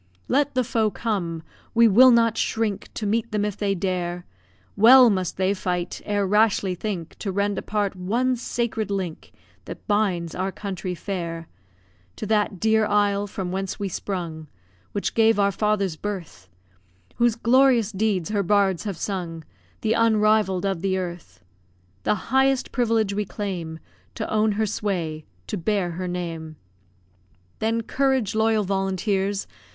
Let the foe come we will not shrink To meet them if they dare; Well must they fight, ere rashly think To rend apart one sacred link That binds our country fair To that dear isle, from whence we sprung; Which gave our fathers birth; Whose glorious deeds her bards have sung; The unrivall'd of the earth. The highest privilege we claim, To own her sway to bear her name. Then, courage, loyal volunteers!